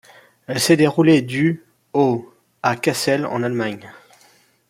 Elle s'est déroulée du au à Kassel, en Allemagne.